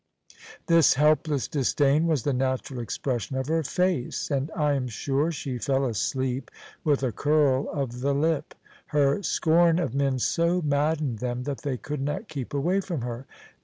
This helpless disdain was the natural expression of her face, and I am sure she fell asleep with a curl of the lip. Her scorn of men so maddened them that they could not keep away from her.